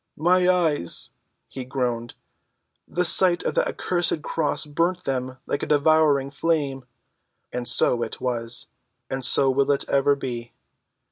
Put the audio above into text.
"My eyes," he groaned. "The sight of that accursed cross burnt them like a devouring flame." And so it was. And so will it ever be.